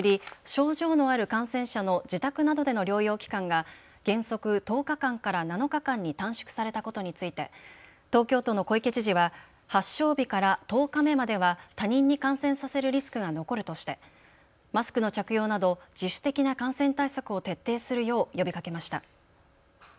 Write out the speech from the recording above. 症状のある感染者の自宅などでの療養期間が原則１０日間から７日間に短縮されたことについて東京都の小池知事は発症日から１０日目までは他人に感染させるリスクが残るとしてマスクの着用など自主的な感染対策を徹底するよう呼びかけました。